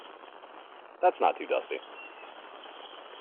That's not too dusty.